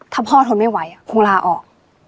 ถ้าพ่อทนไม่ไหวคงลาออก